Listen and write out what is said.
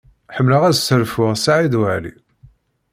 Ḥemmleɣ ad sserfuɣ Saɛid Waɛli.